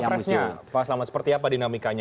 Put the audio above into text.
untuk cawapresnya pak selamat seperti apa dinamikanya